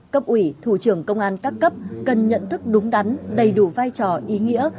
cấp ủy thủ trưởng công an các cấp cần nhận thức đúng đắn đầy đủ vai trò ý nghĩa